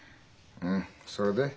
うんそれで？